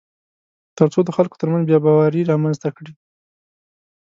تر څو د خلکو ترمنځ بېباوري رامنځته کړي